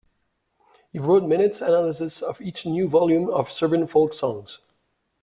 He wrote minute analyses of each new volume of Serbian folk songs.